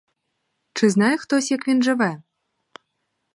Чи знає хтось, як він живе?